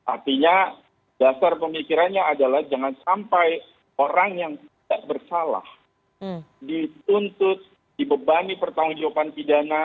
artinya dasar pemikirannya adalah jangan sampai orang yang tidak bersalah dituntut dibebani pertanggung jawaban pidana